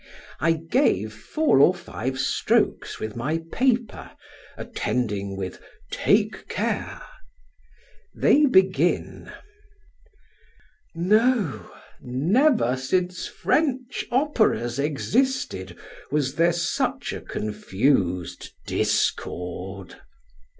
I gave four or five strokes with my paper, attending with "take care!" they begin No, never since French operas existed was there such a confused discord!